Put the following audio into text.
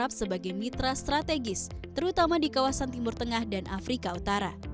kami menganggap bumn sebagai mitra strategis terutama di kawasan timur tengah dan afrika utara